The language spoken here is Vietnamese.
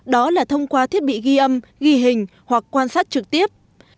đó là thông qua thiết bị ghi âm ghi hình hoặc quan sát trực tiếp